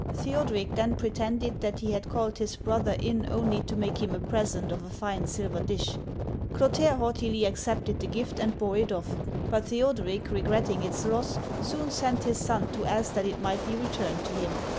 Theoderic then pretended that he had called his brother in only to make him a present of a fine silver dish. Clotaire haughtily accepted the gift and bore it off, but Theoderic, regretting its loss, soon sent his son to ask that it might be returned to him